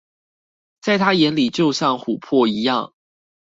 在他眼裡就像琥珀一樣